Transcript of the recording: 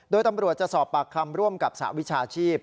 โดยตำรวจจะสอบปากคำร่วมกับสหวิชาชีพ